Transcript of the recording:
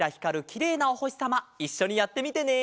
きれいなおほしさまいっしょにやってみてね！